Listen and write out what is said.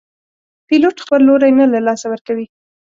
پیلوټ خپل لوری نه له لاسه ورکوي.